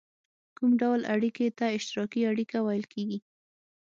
کوم ډول اړیکې ته اشتراکي اړیکه ویل کیږي؟